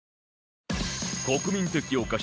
国民的お菓子